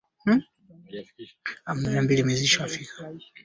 Tunaweza kurekebisha mtindo.